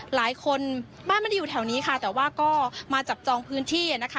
หลายคนบ้านไม่ได้อยู่แถวนี้ค่ะแต่ว่าก็มาจับจองพื้นที่นะคะ